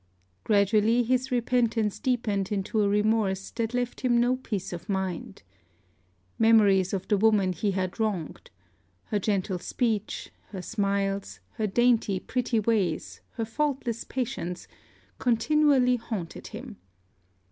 Gradually his repentance deepened into a remorse that left him no peace of mind. Memories of the woman he had wronged her gentle speech, her smiles, her dainty, pretty ways, her faultless patience continually haunted him.